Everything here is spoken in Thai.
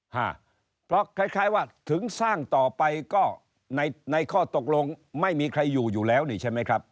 ฮะเพราะคล้ายคล้ายว่าถึงสร้างต่อไปก็ในในข้อตกลงไม่มีใครอยู่อยู่แล้วนี่ใช่ไหมครับ